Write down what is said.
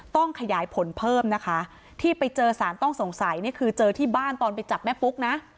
ต้องขยายผลเพิ่มนะคะที่ไปเจอสารต้องสงสัยนี่คือเจอที่บ้านตอนไปจับแม่ปุ๊กนะ